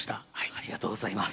ありがとうございます。